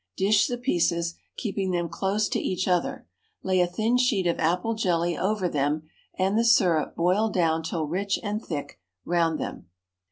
Dish the pieces, keeping them close to each other. Lay a thin sheet of apple jelly over them, and the syrup, boiled down till rich and thick, round them.